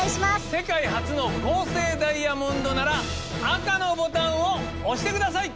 世界初の合成ダイヤモンドなら赤のボタンを押して下さい。